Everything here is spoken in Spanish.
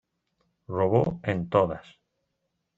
Robó en todas.